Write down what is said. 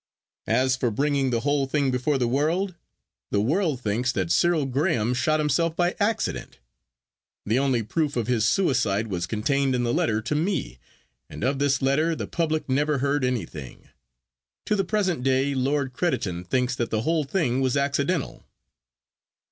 As for bringing the whole thing before the world—the world thinks that Cyril Graham shot himself by accident. The only proof of his suicide was contained in the letter to me, and of this letter the public never heard anything. To the present day Lord Crediton thinks that the whole thing was accidental.